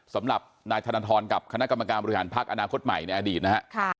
สำหรับนายธนทรกับคณะกรรมการบริหารพักอนาคตใหม่ในอดีตนะฮะ